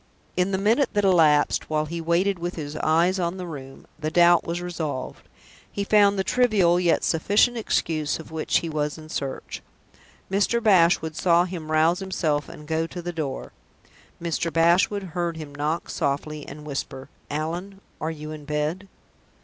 In the minute that elapsed, while he waited with his eyes on the room, the doubt was resolved he found the trivial, yet sufficient, excuse of which he was in search. Mr. Bashwood saw him rouse himself and go to the door. Mr. Bashwood heard him knock softly, and whisper, "Allan, are you in bed?"